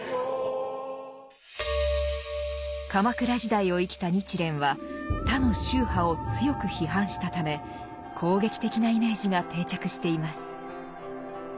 鎌倉時代を生きた日蓮は他の宗派を強く批判したため攻撃的なイメージが定着しています。